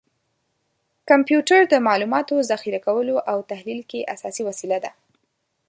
کمپیوټر د معلوماتو ذخیره کولو او تحلیل کې اساسي وسیله ده.